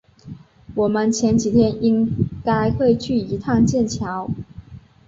我们前几天应该会去一趟剑桥